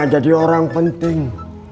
jadi orang penting